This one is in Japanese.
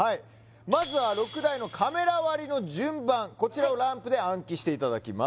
まずは６台のカメラ割りの順番こちらをランプで暗記していただきます